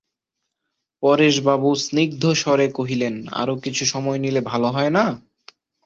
পরেশবাবু স্নিগ্ধস্বরে কহিলেন, আরো কিছু সময় নিলে ভালো হয় না?